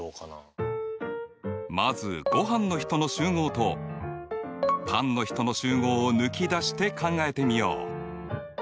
まずごはんの人の集合とパンの人の集合を抜き出して考えてみよう。